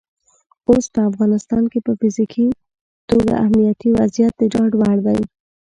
اوس په افغانستان کې په فزیکي توګه امنیتي وضعیت د ډاډ وړ دی.